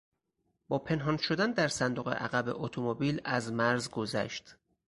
با پنهان شدن در صندوق عقب اتومبیل از مرز گذشت.